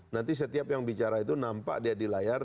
nanti setiap yang bicara itu nampak dia di layar